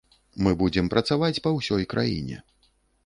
Мы будзем працаваць па ўсёй краіне.